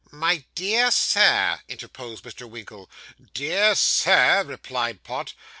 'My dear sir,' interposed Mr. Winkle. '_DEAR _Sir!' replied Pott.